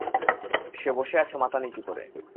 সে বসে আছে মাথা নিচু করে।